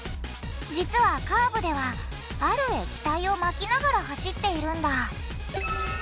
実はカーブではある液体をまきながら走っているんだ。